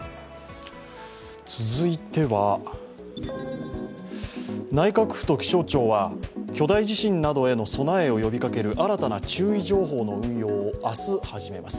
続いては内閣府と気象庁は巨大地震などへの備えを呼びかける新たな注意情報の運用を明日、始めます。